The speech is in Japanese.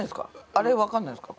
アレわかんないですか？